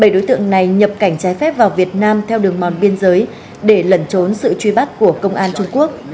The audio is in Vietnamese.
bảy đối tượng này nhập cảnh trái phép vào việt nam theo đường mòn biên giới để lẩn trốn sự truy bắt của công an trung quốc